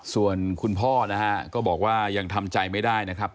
ส่วนคุณพ่อนะฮะก็บอกว่ายังทำใจไม่ได้นะครับ